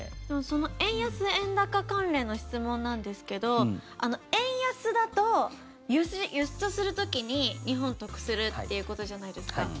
その円安・円高関連の質問なんですけど円安だと輸出する時に日本、得するっていうことじゃないですか。